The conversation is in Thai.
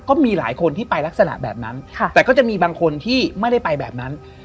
ก็มีหลายคนที่ไปลักษณะแบบนั้นแต่ก็จะมีบางคนที่ไม่ได้ไปแบบนั้น